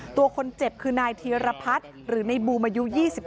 ตัวคนเจ็บคือนายธีรพัฒน์หรือในบูมอายุ๒๓